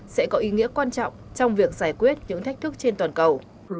sẽ có ý nghĩa quan trọng trong việc giải quyết những thách thức trên toàn cầu